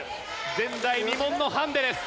前代未聞のハンデです。